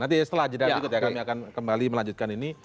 nanti setelah jadwal itu kami akan kembali melanjutkan ini